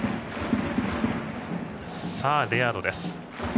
さあ、レアードです。